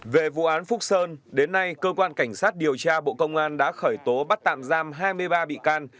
về vụ án phúc sơn đến nay cơ quan cảnh sát điều tra bộ công an đã khởi tố bắt tạm giam hai mươi ba bị can